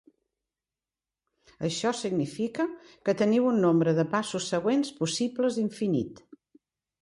Això significa que teniu un nombre de passos següents possibles infinit.